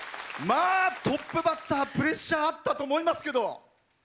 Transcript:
トップバッター、プレッシャーあったと思いますけど。